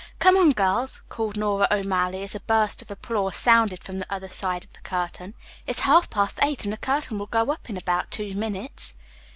"Come on, girls," called Nora O'Malley, as a burst of applause sounded from the other side of the curtain. "It's half past eight, and the curtain will go up in about two minutes."